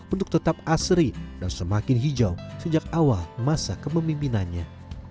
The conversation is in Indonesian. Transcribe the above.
untuk tetap asri dan semakin hijau sejak awal masa kepemimpinannya